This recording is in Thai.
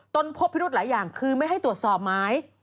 พบพิรุธหลายอย่างคือไม่ให้ตรวจสอบหมาย